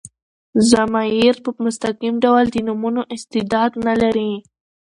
ضمایر په مستقیم ډول د نومونو استعداد نه لري.